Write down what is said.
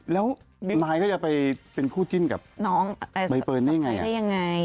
แล้วนายก็จะไปเป็นคู่จิ้นกับใบเฟิร์นได้ยังไง